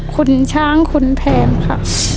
คุณช้างคุณแพงค่ะ